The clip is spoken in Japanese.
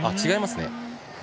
違いますね。